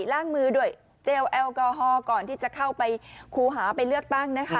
ล่างมือด้วยเจลแอลกอฮอลก่อนที่จะเข้าไปคูหาไปเลือกตั้งนะคะ